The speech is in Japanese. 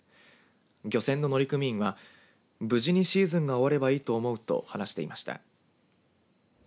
漁船の乗組員は無事にシーズンが終わればいいと思うと話していました。